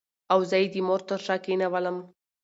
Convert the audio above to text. او زه یې د مور تر شا کېنولم.